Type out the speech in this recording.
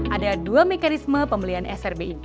ada dua mekanisme pembelian srbi